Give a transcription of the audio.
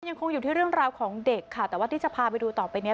ยังคงอยู่ที่เรื่องราวของเด็กค่ะแต่ว่าที่จะพาไปดูต่อไปเนี้ย